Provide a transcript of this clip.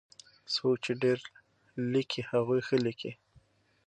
څوک چې ډېر ليکي هغوی ښه ليکي.